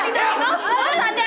udah linol jalan ya